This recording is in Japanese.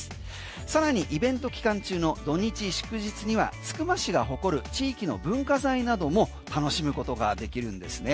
さらにイベント期間中の土日祝日にはつくば市が誇る地域の文化財なども楽しむことができるんですね。